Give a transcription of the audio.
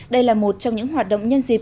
đây là một trong những hoạt động nhân dịp